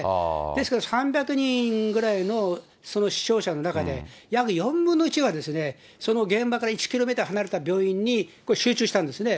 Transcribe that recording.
ですから、３００人ぐらいのその死傷者の中で約４分の１が、その現場から１キロメーター離れた病院に集中したんですね。